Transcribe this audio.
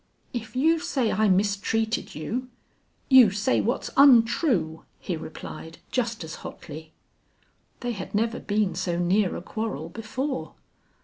"If you say I mistreated you you say what's untrue," he replied, just as hotly. They had never been so near a quarrel before.